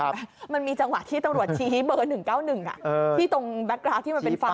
ครับมันมีจังหวะที่ตรวจชี้เบอร์๑๙๑อะเออที่ตรงแบบการ์ดที่มันเป็นฝัน